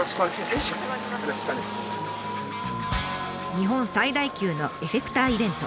日本最大級のエフェクターイベント。